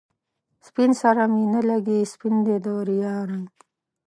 سپين سره می نه لګي، سپین دی د ریا رنګ